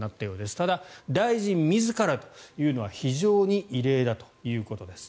ただ、大臣自らというのは非常に異例だということです。